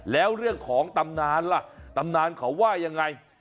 แล้วเรื่องของตำนานล่ะตำนานเขาว่ายังไง